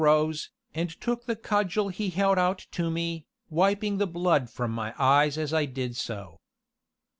Sighing, I rose, and took the cudgel he held out to me, wiping the blood from my eyes as I did so.